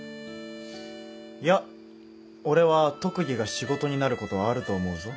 いや俺は特技が仕事になることはあると思うぞ。